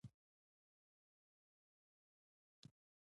نورستان د افغانستان د ماشومانو د لوبو یوه لویه موضوع ده.